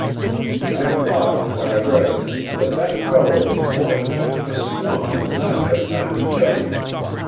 I thought, when I read it, that that feller was more kinds of a swine than I'd have time to tell you.